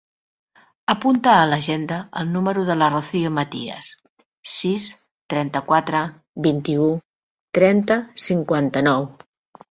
Apunta a l'agenda el número de la Rocío Matias: sis, trenta-quatre, vint-i-u, trenta, cinquanta-nou.